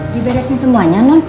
diberesin semuanya nun